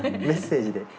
メッセージで。